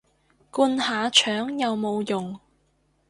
灌下腸有冇用